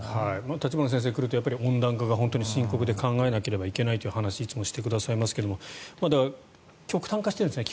立花先生が来ると温暖化が深刻で考えなければいけないという話をいつもしてくださいますが極端化しているんですね。